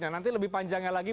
nanti lebih panjangnya lagi